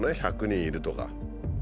「１００人いる」とか。